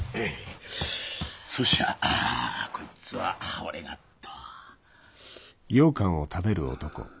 そしゃこいつは俺がと。